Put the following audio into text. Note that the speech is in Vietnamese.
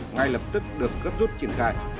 ngay lập tức được cất rút triển khai